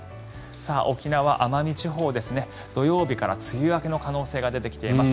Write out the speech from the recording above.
沖縄・奄美地方は土曜日から梅雨明けの可能性が出てきています。